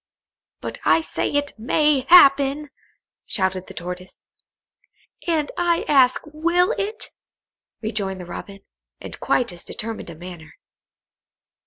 "But I say it may happen," shouted the Tortoise. "And I ask will it?" rejoined the Robin, in quite as determined a manner.